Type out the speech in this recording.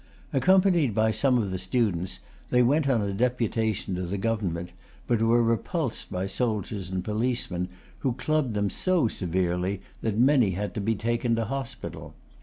Accompanied by some of the students, they went on a deputation to the Government, but were repulsed by soldiers and policemen, who clubbed them so severely that many had to be taken to hospital.